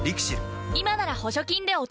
今なら補助金でお得